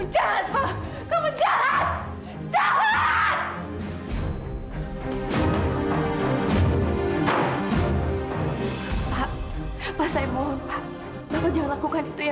sampai jumpa di video selanjutnya